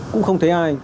cũng không thấy ai